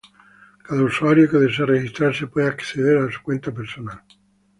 Cada usuario que desee registrarse, puede acceder a su cuenta personal.